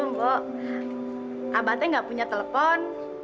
mbok abah teh gak punya telepon